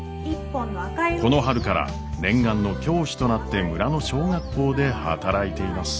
この春から念願の教師となって村の小学校で働いています。